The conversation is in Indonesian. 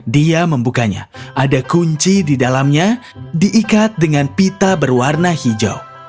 dia membukanya ada kunci di dalamnya diikat dengan pita berwarna hijau